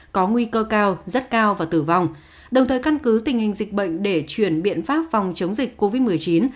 có nguy cơ cao rất cao và tử vong đồng thời căn cứ tình hình dịch bệnh để chuyển biện pháp phòng chống dịch covid một mươi chín